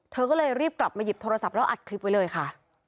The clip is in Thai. เธอก็เลยรีบกลับมาหยิบโทรศัพท์แล้วอัดคลิปไว้เลยค่ะ